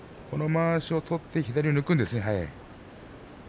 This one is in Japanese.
まわしを取って左を向くんですね。